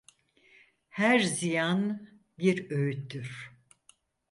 Her ziyan bir öğüttür.